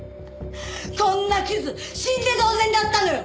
こんなクズ死んで当然だったのよ！